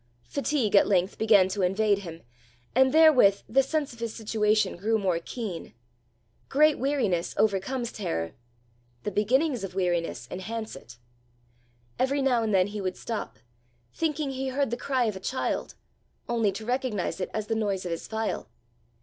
Fatigue at length began to invade him, and therewith the sense of his situation grew more keen: great weariness overcomes terror; the beginnings of weariness enhance it. Every now and then he would stop, thinking he heard the cry of a child, only to recognize it as the noise of his file.